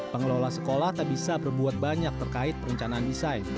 pengelola sekolah tak bisa berbuat banyak terkait perencanaan desain